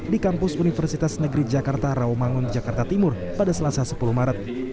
di kampus universitas negeri jakarta rawamangun jakarta timur pada selasa sepuluh maret